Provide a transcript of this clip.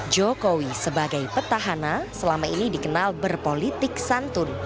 jokowi sebagai petahana selama ini dikenal berpolitik santun